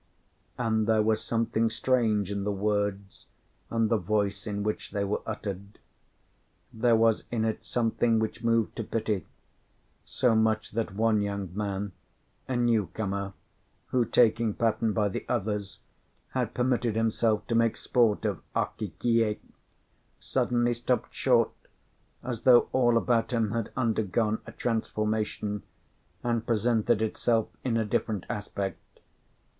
And there was something strange in the words and the voice in which they were uttered. There was in it something which moved to pity; so much that one young man, a new comer, who, taking pattern by the others, had permitted himself to make sport of Akakiy, suddenly stopped short, as though all about him had undergone a transformation, and presented itself in a different aspect.